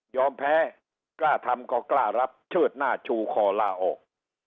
แพ้กล้าทำก็กล้ารับเชิดหน้าชูคอล่าออก